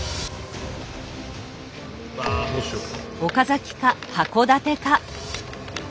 ああどうしよう。